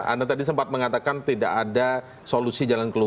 anda tadi sempat mengatakan tidak ada solusi jalan keluar